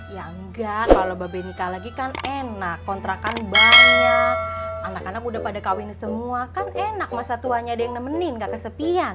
ya enggak kalau mbak benika lagi kan enak kontrakan banyak anak anak udah pada kawin semua kan enak masa tuanya ada yang nemenin gak kesepian